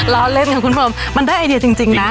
เราเล่นกับคุณผมมันได้ไอเดียจริงนะ